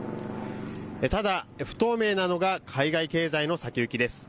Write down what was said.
ただ不透明なのが海外経済の先行きです。